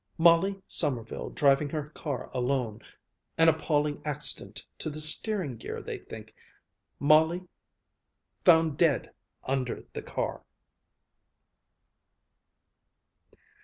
Molly Sommerville driving her car alone an appalling accident to the steering gear, they think. Molly found dead under the car."